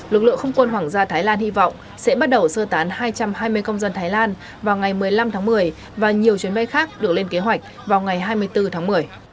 lực lượng không quân hoàng gia thái lan hy vọng sẽ bắt đầu sơ tán hai trăm hai mươi công dân thái lan vào ngày một mươi năm tháng một mươi và nhiều chuyến bay khác được lên kế hoạch vào ngày hai mươi bốn tháng một mươi